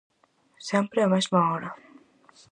Sempre á mesma hora.